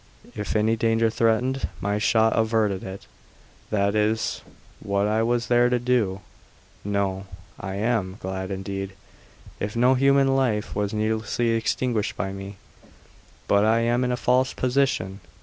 If any danger threatened, my shot averted it; that is what I was there to do. No, I am glad indeed if no human life was needlessly extinguished by me. But I am in a false position.